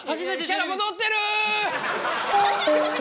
キャラ戻ってる！